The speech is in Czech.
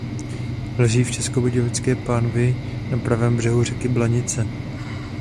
Leží v Českobudějovické pánvi na pravém břehu řeky Blanice.